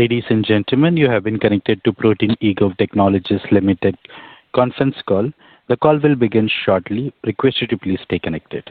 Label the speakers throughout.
Speaker 1: Ladies and gentlemen, you have been connected to the Protean eGov Technologies Limited conference call. The call will begin shortly. Request you to please stay connected.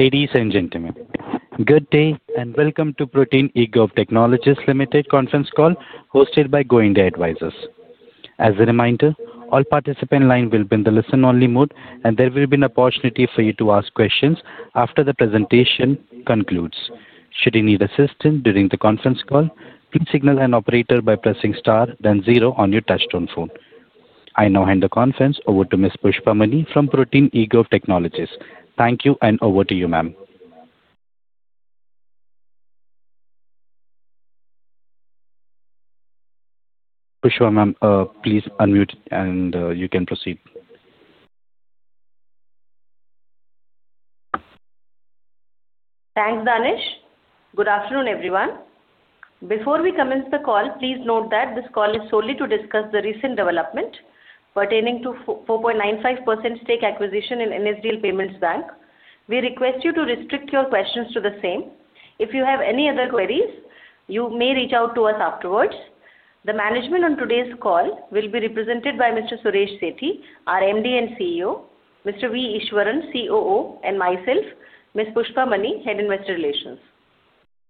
Speaker 1: Ladies and gentlemen, good day and welcome to Protean eGov Technologies Limited conference call hosted by Go India Advisors. As a reminder, all participants' lines will be in the listen-only mode, and there will be an opportunity for you to ask questions after the presentation concludes. Should you need assistance during the conference call, please signal an operator by pressing star, then zero on your touch-tone phone. I now hand the conference over to. Thank you, and over to you, ma'am. Pushpa ma'am, please unmute and you can proceed.
Speaker 2: Thanks, Danish. Good afternoon, everyone. Before we commence the call, please note that this call is solely to discuss the recent development pertaining to 4.95% stake acquisition in NSDL Payments Bank. We request you to restrict your questions to the same. If you have any other queries, you may reach out to us afterwards. The management on today's call will be represented by Mr. Suresh Sethi, our MD and CEO, Mr. V. Ishwaran, COO, and myself, Ms. Pushpa Mani, Head Investor Relations.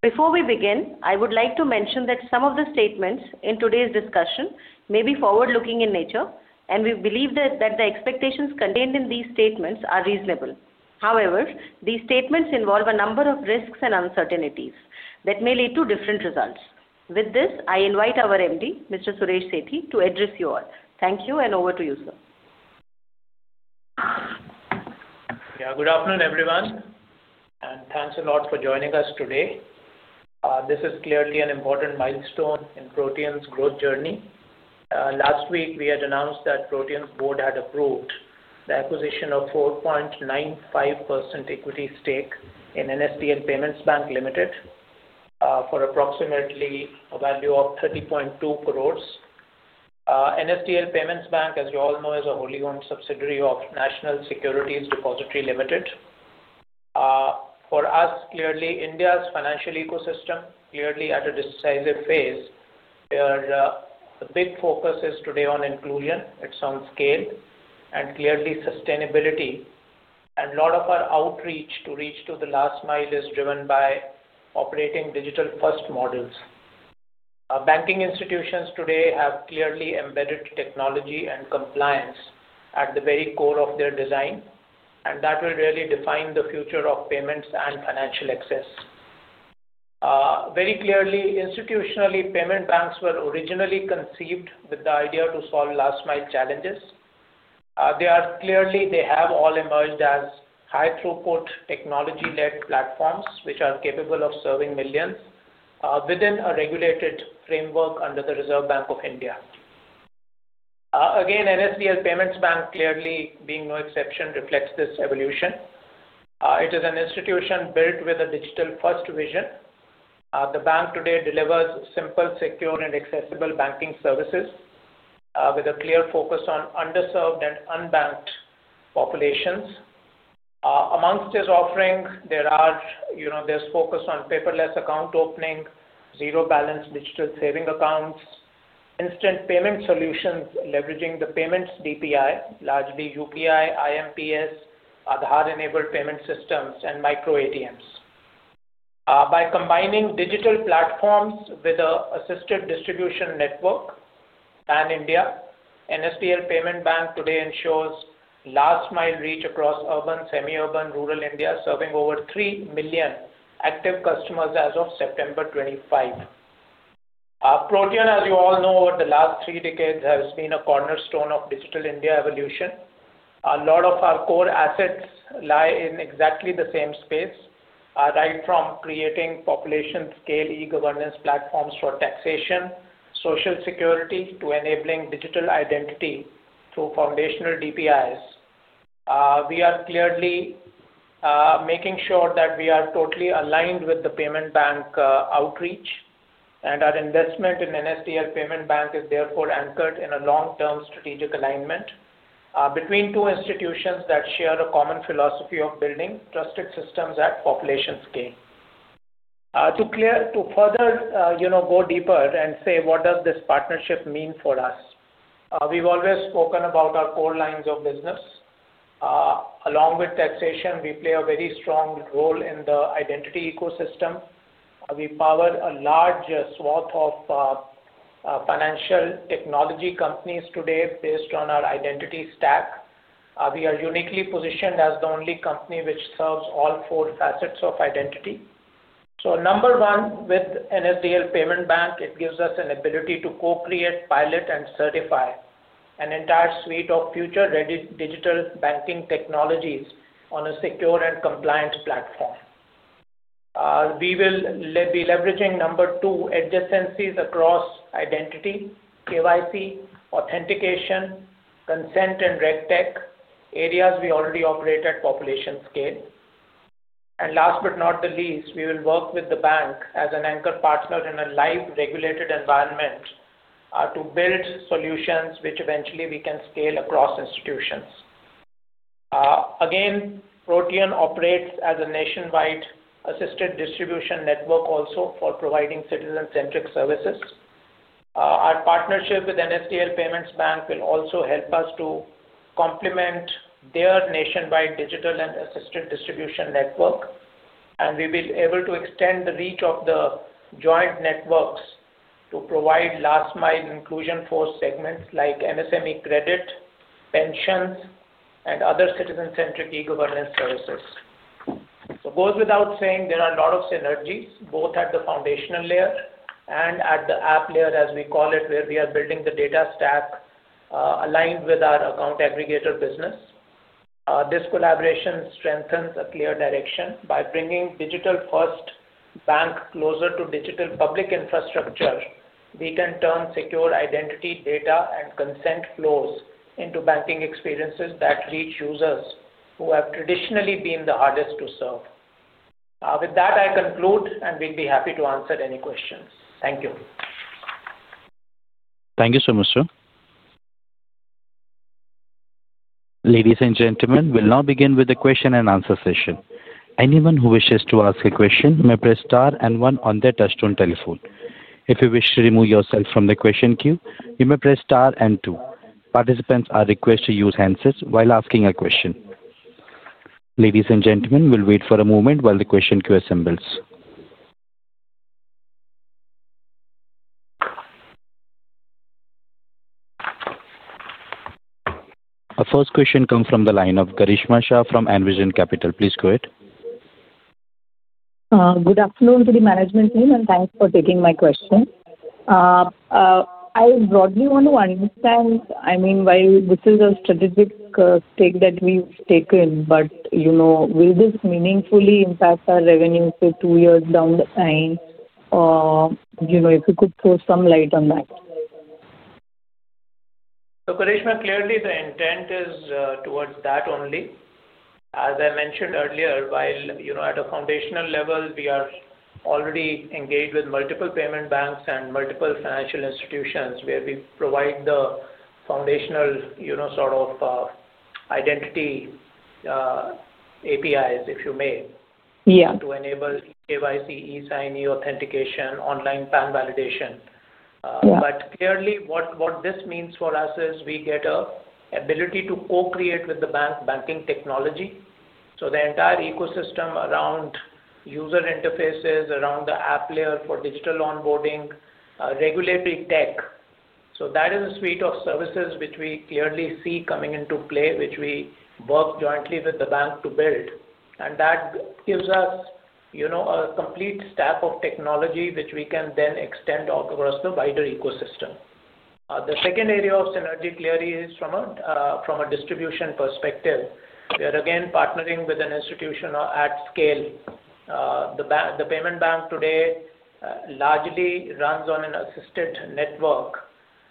Speaker 2: Before we begin, I would like to mention that some of the statements in today's discussion may be forward-looking in nature, and we believe that the expectations contained in these statements are reasonable. However, these statements involve a number of risks and uncertainties that may lead to different results. With this, I invite our MD, Mr. Suresh Sethi, to address you all. Thank you, and over to you, sir.
Speaker 3: Yeah, good afternoon, everyone, and thanks a lot for joining us today. This is clearly an important milestone in Protean's growth journey. Last week, we had announced that Protean's board had approved the acquisition of 4.95% equity stake in NSDL Payments Bank Limited for approximately a value of 30.2 crores. NSDL Payments Bank, as you all know, is a wholly owned subsidiary of National Securities Depository Limited. For us, clearly, India's financial ecosystem is clearly at a decisive phase where the big focus is today on inclusion at some scale and clearly sustainability, and a lot of our outreach to reach to the last mile is driven by operating digital-first models. Banking institutions today have clearly embedded technology and compliance at the very core of their design, and that will really define the future of payments and financial access. Very clearly, institutionally, payment banks were originally conceived with the idea to solve last-mile challenges. Clearly, they have all emerged as high-throughput technology-led platforms which are capable of serving millions within a regulated framework under the Reserve Bank of India. Again, NSDL Payments Bank, clearly being no exception, reflects this evolution. It is an institution built with a digital-first vision. The bank today delivers simple, secure, and accessible banking services with a clear focus on underserved and unbanked populations. Among its offerings, there's focus on paperless account opening, zero-balance digital saving accounts, instant payment solutions leveraging the payments DPI, largely UPI, IMPS, Aadhaar-enabled payment systems, and micro-ATMs. By combining digital platforms with an assisted distribution network, pan-India, NSDL Payments Bank today ensures last-mile reach across urban, semi-urban, rural India, serving over 3 million active customers as of September 25. Protean, as you all know, over the last three decades, has been a cornerstone of Digital India evolution. A lot of our core assets lie in exactly the same space, right from creating population-scale eGovernance platforms for taxation, social security, to enabling digital identity through foundational DPIs. We are clearly making sure that we are totally aligned with the payments bank outreach, and our investment in NSDL Payments Bank is therefore anchored in a long-term strategic alignment between two institutions that share a common philosophy of building trusted systems at population scale. To further go deeper and say, "What does this partnership mean for us?" We've always spoken about our core lines of business. Along with taxation, we play a very strong role in the identity ecosystem. We power a large swath of financial technology companies today based on our identity stack. We are uniquely positioned as the only company which serves all four facets of identity, so number one, with NSDL Payments Bank, it gives us an ability to co-create, pilot, and certify an entire suite of future digital banking technologies on a secure and compliant platform. We will be leveraging number two, adjacencies across identity, KYC, authentication, consent, and regtech, areas we already operate at population scale, and last but not the least, we will work with the bank as an anchor partner in a live regulated environment to build solutions which eventually we can scale across institutions. Again, Protean operates as a nationwide assisted distribution network also for providing citizen-centric services. Our partnership with NSDL Payments Bank will also help us to complement their nationwide digital and assisted distribution network, and we will be able to extend the reach of the joint networks to provide last-mile inclusion for segments like MSME credit, pensions, and other citizen-centric eGovernance services. It goes without saying, there are a lot of synergies, both at the foundational layer and at the app layer, as we call it, where we are building the data stack aligned with our account aggregator business. This collaboration strengthens a clear direction. By bringing digital-first bank closer to digital public infrastructure, we can turn secure identity data and consent flows into banking experiences that reach users who have traditionally been the hardest to serve. With that, I conclude, and we'd be happy to answer any questions. Thank you.
Speaker 1: Thank you so much, sir. Ladies and gentlemen, we'll now begin with the question and answer session. Anyone who wishes to ask a question may press star and one on their touch-tone telephone. If you wish to remove yourself from the question queue, you may press star and two. Participants are requested to use handsets while asking a question. Ladies and gentlemen, we'll wait for a moment while the question queue assembles. Our first question comes from the line of Girish from Envision Capital. Please go ahead.
Speaker 4: Good afternoon to the management team, and thanks for taking my question. I broadly want to understand, I mean, while this is a strategic stake that we've taken, but will this meaningfully impact our revenue for two years down the line? If you could throw some light on that.
Speaker 3: Girish, clearly the intent is towards that only. As I mentioned earlier, while at a foundational level, we are already engaged with multiple payment banks and multiple financial institutions where we provide the foundational sort of identity APIs, if you may, to enable KYC, eSIGN, eAuthentication, online PAN validation. But clearly, what this means for us is we get an ability to co-create with the bank banking technology. So the entire ecosystem around user interfaces, around the app layer for digital onboarding, regulatory tech. So that is a suite of services which we clearly see coming into play, which we work jointly with the bank to build. And that gives us a complete stack of technology which we can then extend across the wider ecosystem. The second area of synergy clearly is from a distribution perspective. We are, again, partnering with an institution at scale. The payment bank today largely runs on an assisted network,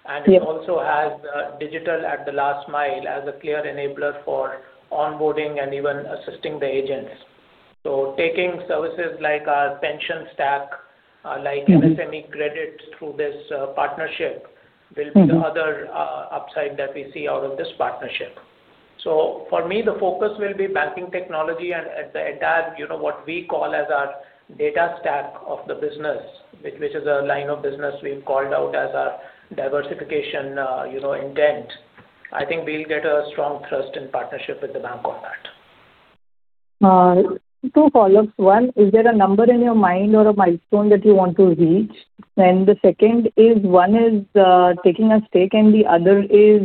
Speaker 3: and it also has digital at the last mile as a clear enabler for onboarding and even assisting the agents. So taking services like our pension stack, like MSME credit through this partnership, will be the other upside that we see out of this partnership. So for me, the focus will be banking technology and what we call as our data stack of the business, which is a line of business we've called out as our diversification intent. I think we'll get a strong trust and partnership with the bank on that.
Speaker 4: Two follow-ups. One, is there a number in your mind or a milestone that you want to reach? And the second is one is taking a stake, and the other is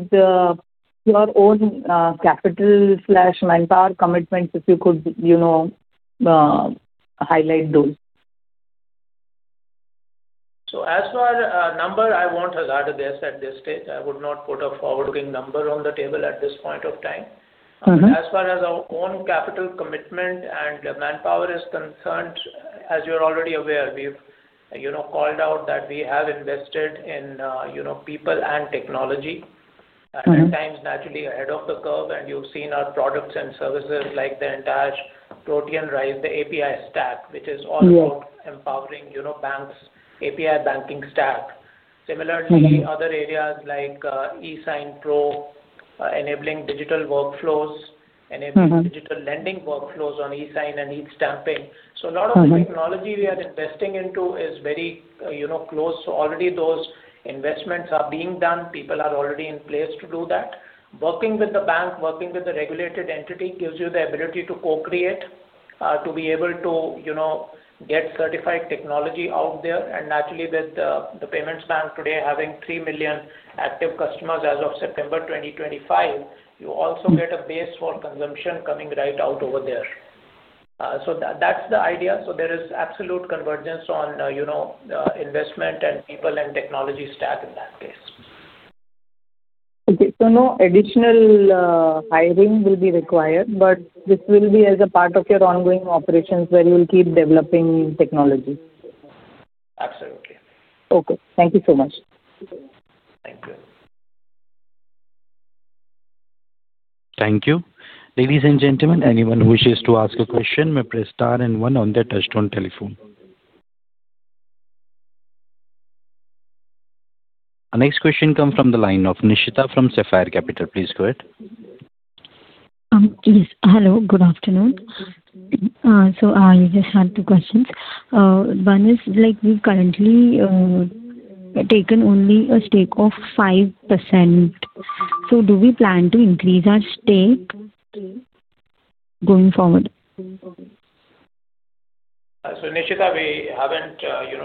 Speaker 4: your own capital/manpower commitments, if you could highlight those.
Speaker 3: So as far as a number, I won't address at this stage. I would not put a forward-looking number on the table at this point of time. As far as our own capital commitment and manpower is concerned, as you're already aware, we've called out that we have invested in people and technology. At times, naturally, ahead of the curve, and you've seen our products and services like the entire Protean Rise, the API stack, which is all about empowering banks' API banking stack. Similarly, other areas like eSIGN Pro, enabling digital workflows, enabling digital lending workflows on eSIGN and eStamping. So a lot of the technology we are investing into is very close. So already, those investments are being done. People are already in place to do that. Working with the bank, working with the regulated entity gives you the ability to co-create, to be able to get certified technology out there. And naturally, with the payments bank today having 3 million active customers as of September 2025, you also get a base for consumption coming right out over there. So that's the idea. So there is absolute convergence on investment and people and technology stack in that case.
Speaker 4: Okay. So no additional hiring will be required, but this will be as a part of your ongoing operations where you'll keep developing technology.
Speaker 3: Absolutely.
Speaker 4: Okay. Thank you so much.
Speaker 3: Thank you.
Speaker 1: Thank you. Ladies and gentlemen, anyone who wishes to ask a question may press star and one on their touch-tone telephone. Our next question comes from the line of Nishita from Sapphire Capital. Please go ahead.
Speaker 5: Yes. Hello. Good afternoon. So I just had two questions. One is we've currently taken only a stake of 5%. So do we plan to increase our stake going forward?
Speaker 3: So Nishita, we haven't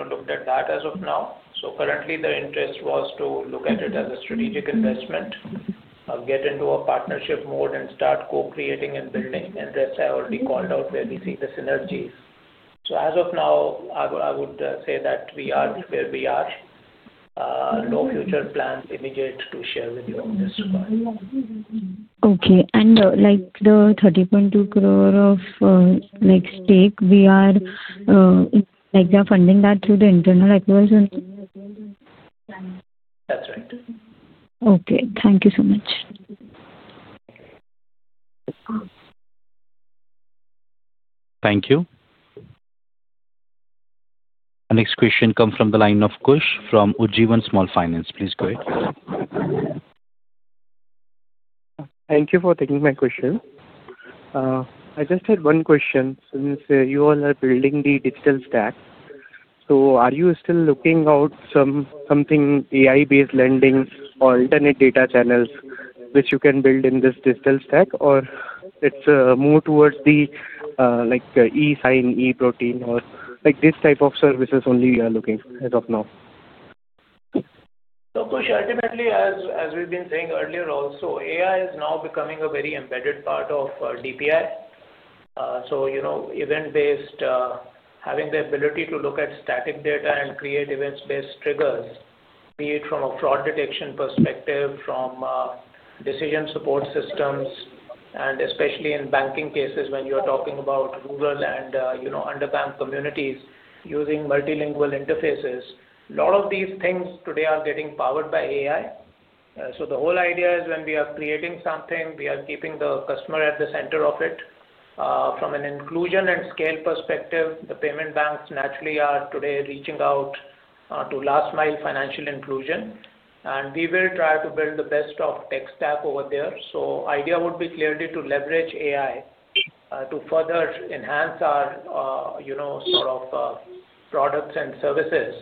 Speaker 3: looked at that as of now. So currently, the interest was to look at it as a strategic investment, get into a partnership mode, and start co-creating and building. And as I already called out, where we see the synergies. So as of now, I would say that we are where we are. No future plans immediate to share with you on this one.
Speaker 5: Okay. And the 30.2 crore of stake, we are funding that through the internal acquisition?
Speaker 3: That's right.
Speaker 5: Okay. Thank you so much.
Speaker 1: Thank you. Our next question comes from the line of Kush from Ujjivan Small Finance. Please go ahead.
Speaker 6: Thank you for taking my question. I just had one question. Since you all are building the digital stack, so are you still looking out something AI-based lendings or alternate data channels which you can build in this digital stack, or it's more towards the eSIGN, Protean, or this type of services only you are looking as of now?
Speaker 3: Kush, ultimately, as we've been saying earlier also, AI is now becoming a very embedded part of DPI. Event-based, having the ability to look at static data and create event-based triggers, be it from a fraud detection perspective, from decision support systems, and especially in banking cases when you are talking about rural and underserved communities using multilingual interfaces. A lot of these things today are getting powered by AI. The whole idea is when we are creating something, we are keeping the customer at the center of it. From an inclusion and scale perspective, the payment banks naturally are today reaching out to last-mile financial inclusion. We will try to build the best of tech stack over there. The idea would be clearly to leverage AI to further enhance our sort of products and services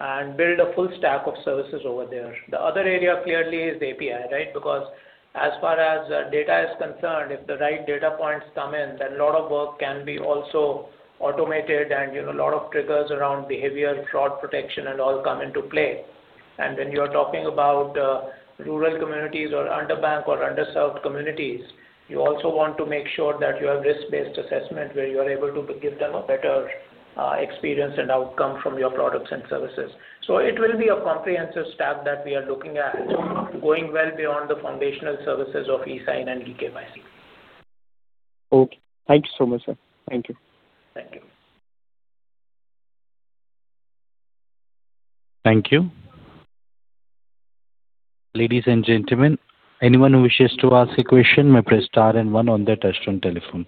Speaker 3: and build a full stack of services over there. The other area clearly is API, right? Because as far as data is concerned, if the right data points come in, then a lot of work can be also automated, and a lot of triggers around behavior, fraud protection, and all come into play. And when you are talking about rural communities or underbanked or underserved communities, you also want to make sure that you have risk-based assessment where you are able to give them a better experience and outcome from your products and services. So it will be a comprehensive stack that we are looking at, going well beyond the foundational services of eSIGN and eKYC.
Speaker 6: Okay. Thank you so much, sir. Thank you.
Speaker 3: Thank you.
Speaker 1: Thank you. Ladies and gentlemen, anyone who wishes to ask a question may press star and one on their touch-tone telephone.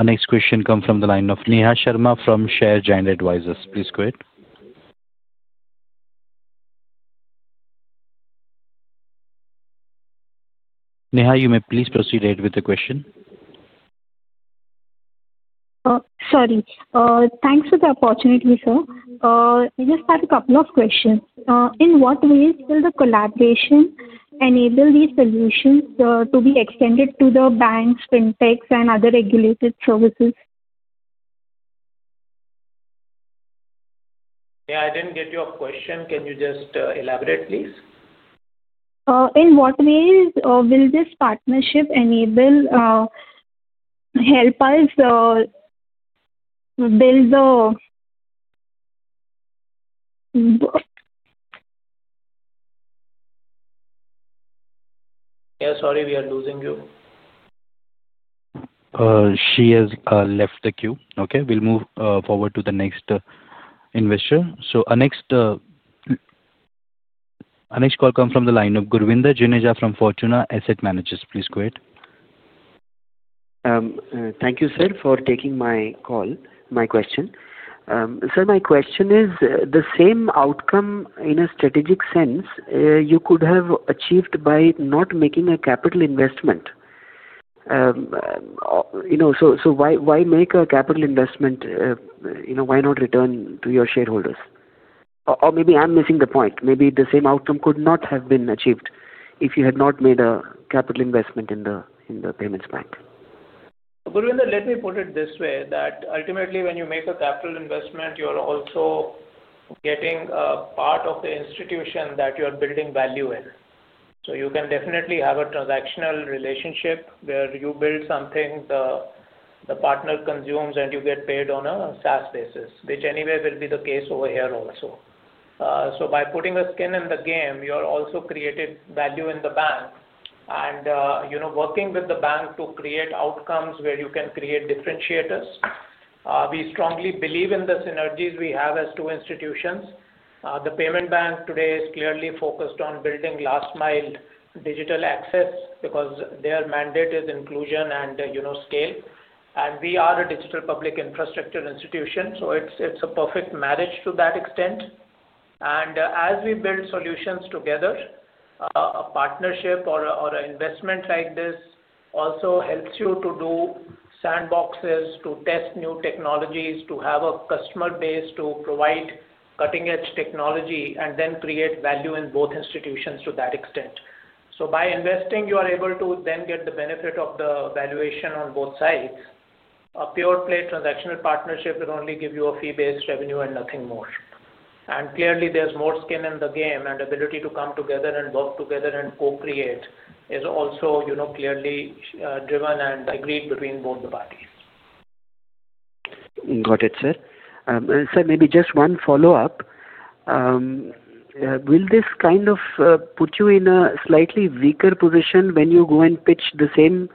Speaker 1: Our next question comes from the line of Neha Sharma from Share Giant Advisors. Please go ahead. Neha, you may please proceed ahead with the question.
Speaker 7: Sorry. Thanks for the opportunity, sir. I just had a couple of questions. In what ways will the collaboration enable these solutions to be extended to the banks, fintechs, and other regulated services?
Speaker 3: Yeah. I didn't get your question. Can you just elaborate, please?
Speaker 7: In what ways will this partnership help us build the?
Speaker 3: Yeah. Sorry, we are losing you.
Speaker 1: She has left the queue. Okay. We'll move forward to the next investor. So our next call comes from the line of Gurvinder Juneja from Fortuna Asset Managers. Please go ahead.
Speaker 8: Thank you, sir, for taking my question. Sir, my question is the same outcome in a strategic sense you could have achieved by not making a capital investment. So why make a capital investment? Why not return to your shareholders? Or maybe I'm missing the point. Maybe the same outcome could not have been achieved if you had not made a capital investment in the payments bank.
Speaker 3: Gurvinder, let me put it this way that ultimately, when you make a capital investment, you're also getting a part of the institution that you are building value in. So you can definitely have a transactional relationship where you build something, the partner consumes, and you get paid on a SaaS basis, which anyway will be the case over here also. So by putting a skin in the game, you're also creating value in the bank, and working with the bank to create outcomes where you can create differentiators. We strongly believe in the synergies we have as two institutions. The payment bank today is clearly focused on building last-mile digital access because their mandate is inclusion and scale, and we are a digital public infrastructure institution, so it's a perfect marriage to that extent. And as we build solutions together, a partnership or an investment like this also helps you to do sandboxes, to test new technologies, to have a customer base, to provide cutting-edge technology, and then create value in both institutions to that extent. So by investing, you are able to then get the benefit of the valuation on both sides. A pure-play transactional partnership will only give you a fee-based revenue and nothing more. And clearly, there's more skin in the game, and the ability to come together and work together and co-create is also clearly driven and agreed between both the parties.
Speaker 8: Got it, sir. Sir, maybe just one follow-up. Will this kind of put you in a slightly weaker position when you go and pitch the same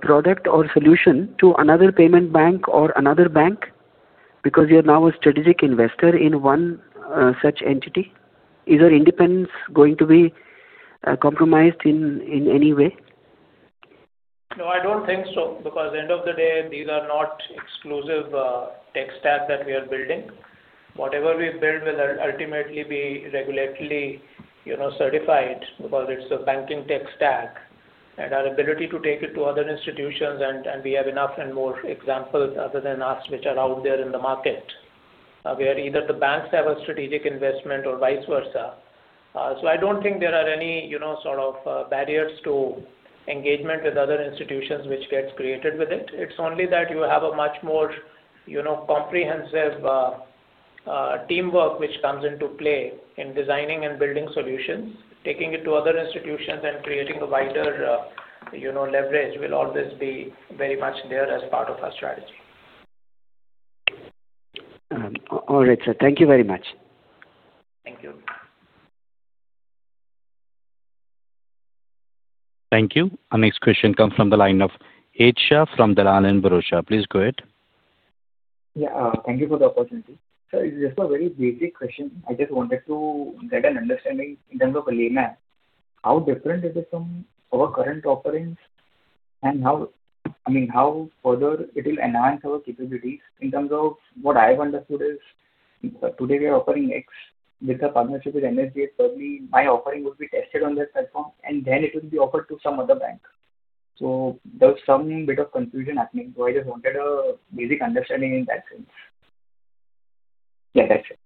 Speaker 8: product or solution to another payment bank or another bank? Because you're now a strategic investor in one such entity. Is your independence going to be compromised in any way?
Speaker 3: No, I don't think so because at the end of the day, these are not exclusive tech stack that we are building. Whatever we build will ultimately be regulatorily certified because it's a banking tech stack. And our ability to take it to other institutions, and we have enough and more examples other than us which are out there in the market, where either the banks have a strategic investment or vice versa. So I don't think there are any sort of barriers to engagement with other institutions which gets created with it. It's only that you have a much more comprehensive teamwork which comes into play in designing and building solutions. Taking it to other institutions and creating a wider leverage will always be very much there as part of our strategy.
Speaker 8: All right, sir. Thank you very much.
Speaker 3: Thank you.
Speaker 1: Thank you. Our next question comes from the line of Neha Sharma of Het Shah from Dalal & Broacha. Please go ahead.
Speaker 9: Yeah. Thank you for the opportunity. So it's just a very basic question. I just wanted to get an understanding in terms of a layman. How different is it from our current offerings? And I mean, how further it will enhance our capabilities? In terms of what I've understood is today we are offering X with a partnership with NSDL. Probably my offering will be tested on that platform, and then it will be offered to some other bank. So there's some bit of confusion happening. So I just wanted a basic understanding in that sense. Yeah, that's it.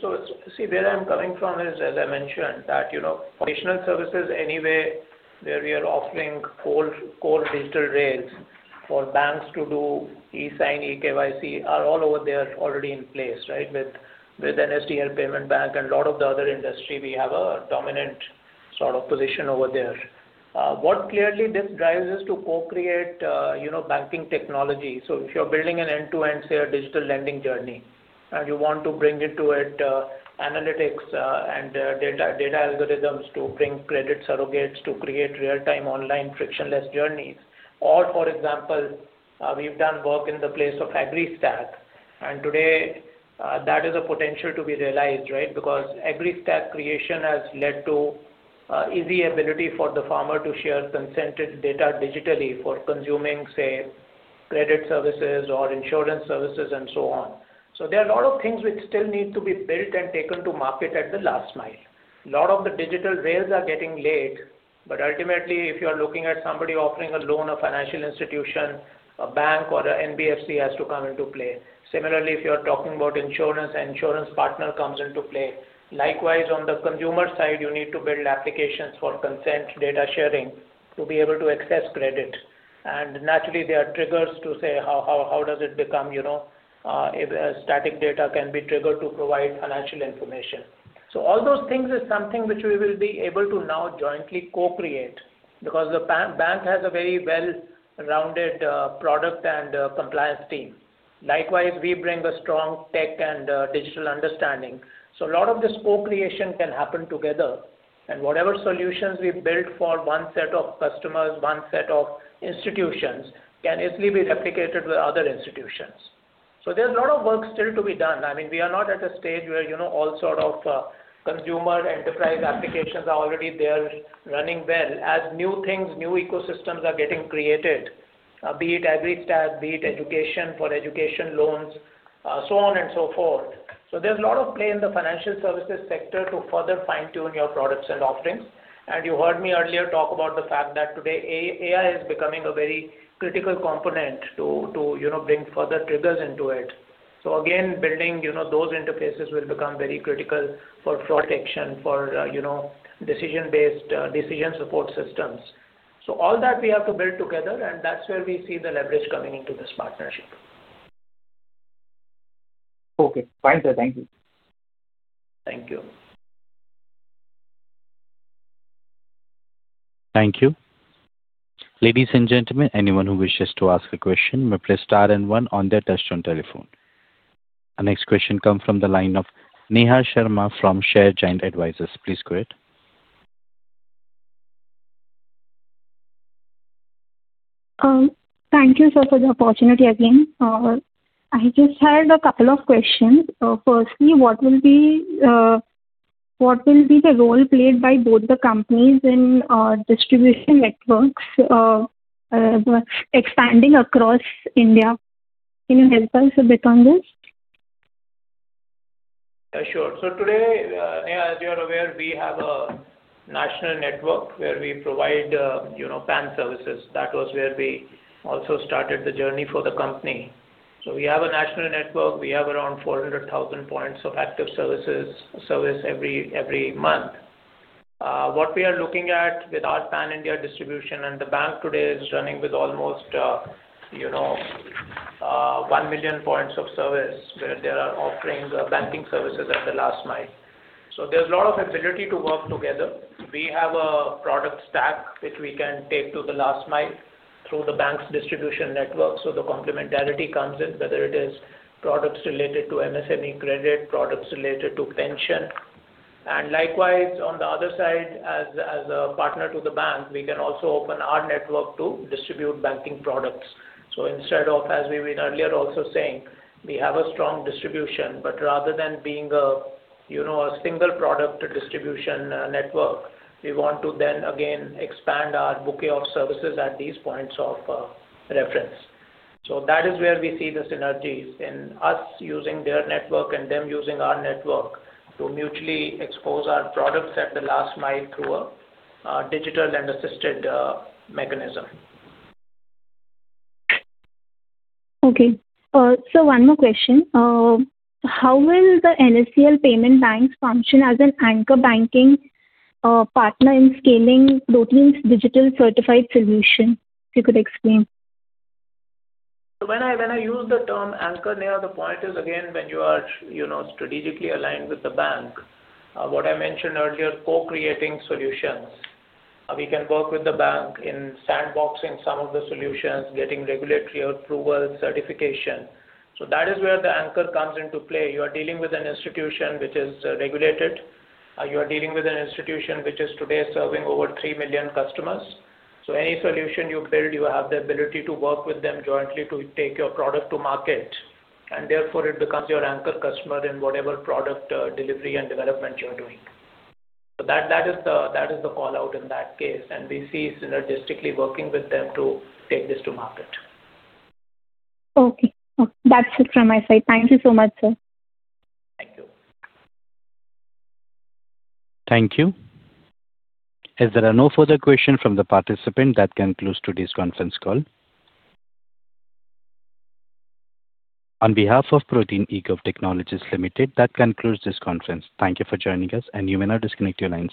Speaker 3: So see, where I'm coming from is, as I mentioned, that additional services anyway where we are offering core digital rails for banks to do eSIGN, eKYC are all over there already in place, right? With NSDL Payments Bank and a lot of the other industry, we have a dominant sort of position over there. What clearly this drives is to co-create banking technology. So if you're building an end-to-end, say, a digital lending journey, and you want to bring into it analytics and data algorithms to bring credit surrogates to create real-time online frictionless journeys. Or, for example, we've done work in the place of AgriStack. And today, that is a potential to be realized, right? Because AgriStack creation has led to easy ability for the farmer to share consented data digitally for consuming, say, credit services or insurance services and so on. So there are a lot of things which still need to be built and taken to market at the last mile. A lot of the digital rails are getting laid. But ultimately, if you're looking at somebody offering a loan, a financial institution, a bank, or an NBFC has to come into play. Similarly, if you're talking about insurance, an insurance partner comes into play. Likewise, on the consumer side, you need to build applications for consent data sharing to be able to access credit. And naturally, there are triggers to say how does it become static. Data can be triggered to provide financial information. So all those things is something which we will be able to now jointly co-create because the bank has a very well-rounded product and compliance team. Likewise, we bring a strong tech and digital understanding. So a lot of this co-creation can happen together. And whatever solutions we build for one set of customers, one set of institutions can easily be replicated with other institutions. So there's a lot of work still to be done. I mean, we are not at a stage where all sort of consumer enterprise applications are already there running well as new things, new ecosystems are getting created, be it AgriStack, be it education for education loans, so on and so forth. So there's a lot of play in the financial services sector to further fine-tune your products and offerings. And you heard me earlier talk about the fact that today AI is becoming a very critical component to bring further triggers into it. So again, building those interfaces will become very critical for fraud detection, for decision-based decision support systems. So all that we have to build together, and that's where we see the leverage coming into this partnership.
Speaker 7: Okay. Fine, sir. Thank you.
Speaker 3: Thank you.
Speaker 1: Thank you. Ladies and gentlemen, anyone who wishes to ask a question may press star and one on their touch-tone telephone. Our next question comes from the line of Neha Sharma from Share Giant Advisors. Please go ahead.
Speaker 7: Thank you, sir, for the opportunity again. I just had a couple of questions. Firstly, what will be the role played by both the companies in distribution networks expanding across India? Can you help us a bit on this?
Speaker 3: Yeah, sure. So today, as you are aware, we have a national network where we provide PAN services. That was where we also started the journey for the company. So we have a national network. We have around 400,000 points of active service every month. What we are looking at with our pan-India distribution, and the bank today is running with almost one million points of service where they are offering banking services at the last mile. So there's a lot of ability to work together. We have a product stack which we can take to the last mile through the bank's distribution network. So the complementarity comes in, whether it is products related to MSME credit, products related to pension. And likewise, on the other side, as a partner to the bank, we can also open our network to distribute banking products. So instead of, as we were earlier also saying, we have a strong distribution, but rather than being a single product distribution network, we want to then again expand our bouquet of services at these points of reference. So that is where we see the synergies in us using their network and them using our network to mutually expose our products at the last mile through a digital and assisted mechanism.
Speaker 7: Okay. So one more question. How will the NSDL Payments Bank function as an anchor banking partner in scaling Protean's digital certified solution? If you could explain.
Speaker 3: When I use the term anchor, the point is again when you are strategically aligned with the bank, what I mentioned earlier, co-creating solutions. We can work with the bank in sandboxing some of the solutions, getting regulatory approval, certification. So that is where the anchor comes into play. You are dealing with an institution which is regulated. You are dealing with an institution which is today serving over 3 million customers. So any solution you build, you have the ability to work with them jointly to take your product to market. And therefore, it becomes your anchor customer in whatever product delivery and development you're doing. So that is the call-out in that case. And we see synergistically working with them to take this to market.
Speaker 7: Okay. That's it from my side. Thank you so much, sir.
Speaker 3: Thank you.
Speaker 1: Thank you. Is there no further question from the participant? That concludes today's conference call. On behalf of Protean eGov Technologies Limited, that concludes this conference. Thank you for joining us, and you may now disconnect your lines.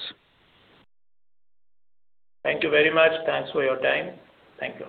Speaker 3: Thank you very much. Thanks for your time. Thank you.